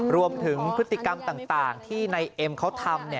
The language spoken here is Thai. รวมถึงพฤติกรรมต่างที่ในเอ็มเขาทำเนี่ย